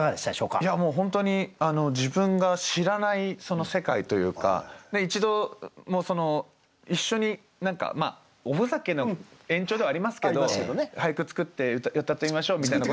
いやもう本当に自分が知らない世界というか一度一緒におふざけの延長ではありますけど俳句作ってうたってみましょうみたいなこと。